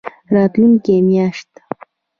راتلونکې میاشت